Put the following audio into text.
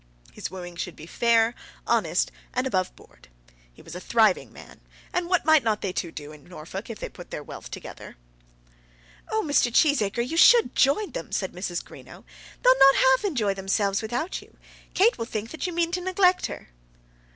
His wooing should be fair, honest, and above board. He was a thriving man, and what might not they two do in Norfolk if they put their wealth together? "Oh, Mr. Cheesacre, you should join them," said Mrs. Greenow; "they'll not half enjoy themselves without you. Kate will think that you mean to neglect her."